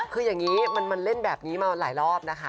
คืออย่างนี้มันเล่นแบบนี้มาหลายรอบนะคะ